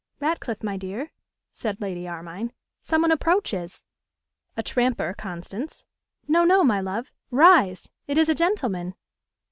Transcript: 'Ratcliffe, my dear,' said Lady Armine, 'some one approaches.' 'A tramper, Constance?' 'No, no, my love; rise; it is a gentleman.